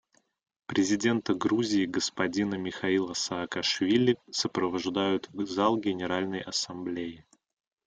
Президента Грузии господина Михаила Саакашвили сопровождают в зал Генеральной Ассамблеи.